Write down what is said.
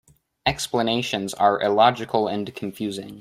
Explanations are illogical and confusing.